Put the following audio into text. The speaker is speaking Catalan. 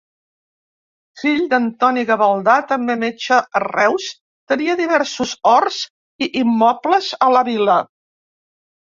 Fill d'Antoni Gavaldà, també metge a Reus, tenia diversos horts i immobles a la vila.